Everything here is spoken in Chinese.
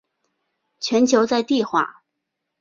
全球在地化。